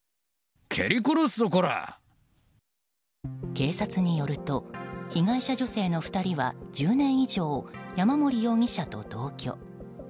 警察によると被害者女性の２人は１０年以上、山森容疑者と同居。